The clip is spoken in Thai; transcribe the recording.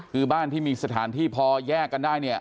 คือบ้านที่มีสถานที่พอแยกกันได้เนี่ย